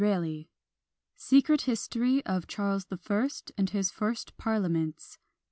SECRET HISTORY OF CHARLES THE FIRST AND HIS FIRST PARLIAMENTS.